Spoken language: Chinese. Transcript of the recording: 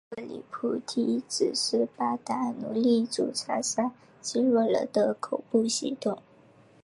克里普提指斯巴达奴隶主残杀希洛人的恐怖行动。